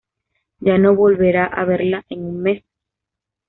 Ya no volverá a verla en un mes.